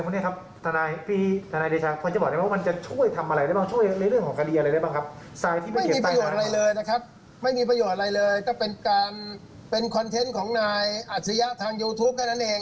ไม่มีประโยชน์อะไรเลยก็เป็นคอนเทนต์ของนายอัจฉริยะทางยูทูป